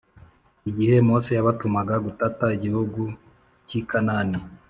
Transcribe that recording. Igihe Mose yabatumaga gutata igihugu cy i Kanani